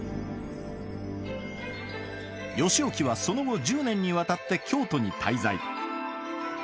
義興はその後１０年にわたって京都に滞在。